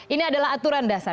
ini adalah aturan dasar